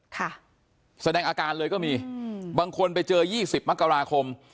แสดงอาการเลยก็มีอืมบางคนไปเจอยี่สิบมกราคม